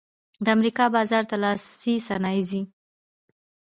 د امریکا بازار ته لاسي صنایع ځي